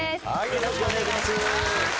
よろしくお願いします。